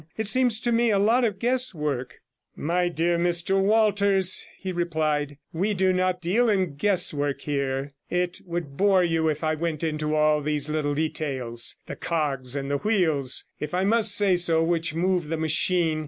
It seems to me a lot of guesswork.' 'My dear Mr Walters,' he replied, 'we do not deal in guesswork here. It would bore you if I went into all these little details, the cogs and wheels, if I may say so, which move the machine.